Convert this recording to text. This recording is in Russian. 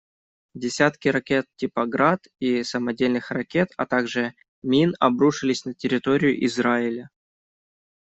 Десятки ракет типа «Град» и самодельных ракет, а также мин обрушились на территорию Израиля.